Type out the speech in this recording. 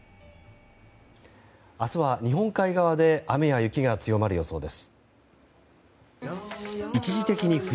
明日は日本海側で雨や雪が強まる予想です。